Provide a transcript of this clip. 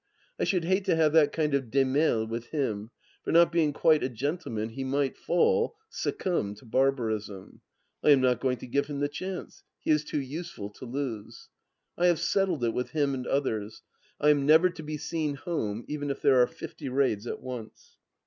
I should hate to have that kind of dimSli with him, for not being quite a gentleman he might fall — succumb to bar barism. I am not going to give him the chance ; he is too useful to lose. .,. I have settled it with him and others. I am never to be seen home even if there are fifty raids at once.